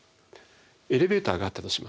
エレベーターがあったとします。